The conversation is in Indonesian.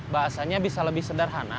bahasanya bisa lebih sederhana